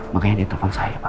makanya dia telepon saya pak